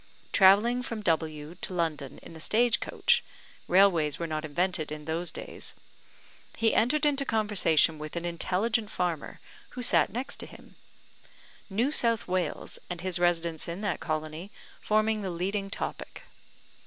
Travelling from W to London in the stage coach (railways were not invented in those days), he entered into conversation with an intelligent farmer who sat next to him; New South Wales, and his residence in that colony, forming the leading topic.